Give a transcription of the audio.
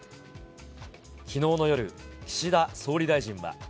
きのうの夜、岸田総理大臣は。